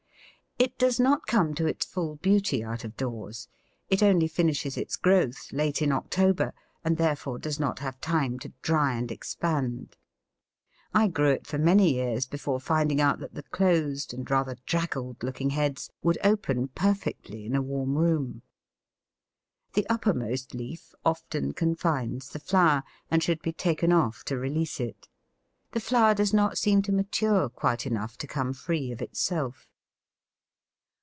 It does not come to its full beauty out of doors; it only finishes its growth late in October, and therefore does not have time to dry and expand. I grew it for many years before finding out that the closed and rather draggled looking heads would open perfectly in a warm room. The uppermost leaf often confines the flower, and should be taken off to release it; the flower does not seem to mature quite enough to come free of itself.